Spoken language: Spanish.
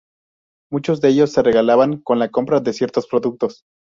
Muchos de ellos se regalaban con la compra de ciertos productos.